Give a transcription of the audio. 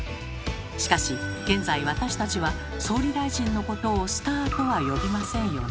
しかし現在私たちは総理大臣のことをスターとは呼びませんよね。